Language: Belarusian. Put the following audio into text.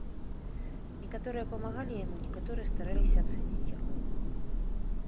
Некаторыя памагалі яму, некаторыя стараліся абсадзіць яго.